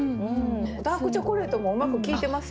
「ダークチョコレート」もうまく効いてますよね。